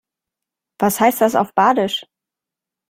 Was heißt das auf Badisch?